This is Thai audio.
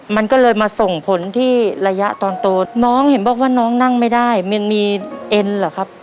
มันก็เลยมาส่งผลที่ระยะตอนโตน้องเห็นบอกว่าน้องนั่งไม่ได้มันมีเอ็นเหรอครับ